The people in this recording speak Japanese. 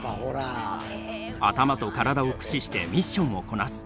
頭と体を駆使してミッションをこなす。